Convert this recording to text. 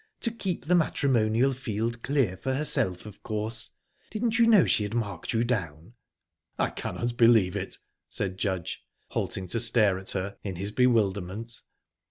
To keep the matrimonial field clear for herself, of course...Didn't you know she had marked you down?" "I cannot believe it," said Judge, halting to stare at her, in his bewilderment.